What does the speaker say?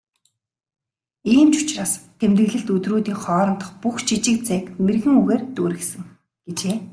"Ийм ч учраас тэмдэглэлт өдрүүдийн хоорондох бүх жижиг зайг мэргэн үгээр дүүргэсэн" гэжээ.